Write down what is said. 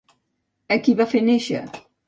A qui va fer néixer?